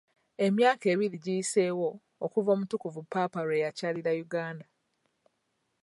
Emyaka ebiri giyiseewo okuva omutukuvu ppaapa lwe yakyalira Uganda.